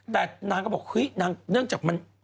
แต่นางก็บอกเฮ้ยนางเนื่องจากมัน